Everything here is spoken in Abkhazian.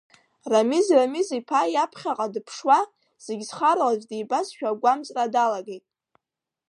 Рамиз Рамиз-иԥа иаԥхьаҟа дыԥшуа, зегь зхароу аӡә дибазшәа агәамҵра далагеит.